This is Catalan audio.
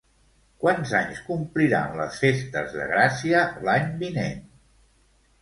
Quants anys compliran les festes de Gràcia l'any vinent?